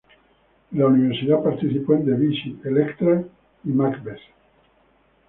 En la universidad, participó en "The Visit", "Electra" y "Macbeth".